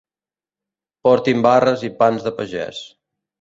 Portin barres i pans de pagès.